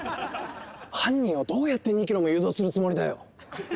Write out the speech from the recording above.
犯人をどうやって２ｋｍも誘導するつもりだよ！